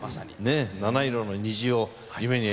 七色の虹を夢に描いた。